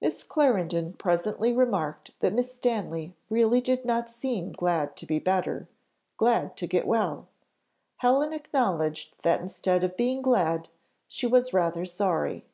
Miss Clarendon presently remarked that Miss Stanley really did not seem glad to be better glad to get well. Helen acknowledged that instead of being glad, she was rather sorry.